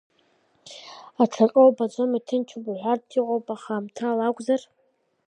Аҽаҟьо убаӡом, иҭынчуп уҳәартә иҟоуп, аха аамҭала акәзар?